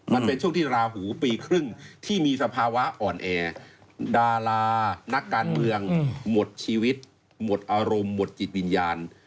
มันเป็นช่วงที่ราหูปีครึ่งที่มีสภาวะอ่อนแอดารานักการเมืองหมดชีวิตหมดอารมณ์หมดจิตวิญญาณ